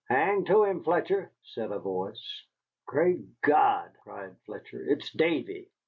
"Hang to him, Fletcher!" said a voice. "Great God!" cried Fletcher, "it's Davy.